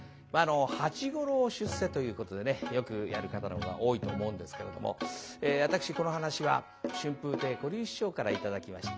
「八五郎出世」ということでねよくやる方のほうが多いと思うんですけれども私この噺は春風亭小柳枝師匠から頂きまして。